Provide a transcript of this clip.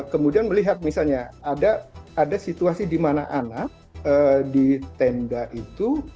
kemudian melihat misalnya ada situasi di mana anak di tenda itu